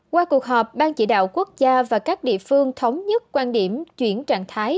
qua cuộc họp ban chỉ đạo quốc gia và các địa phương thống nhất quan điểm chuyển trạng thái